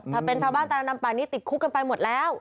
ถ้าเป็นชาวบ้านตาดำป่านี้ติดคุกกันไปหมดแล้ว